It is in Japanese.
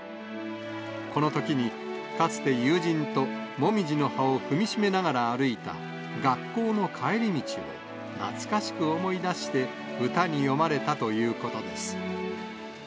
このときにかつて友人と紅葉の葉を踏みしめながら歩いた、学校の帰り道を、懐かしく思い出して、歌に詠まれたということです。